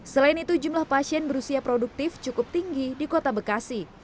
selain itu jumlah pasien berusia produktif cukup tinggi di kota bekasi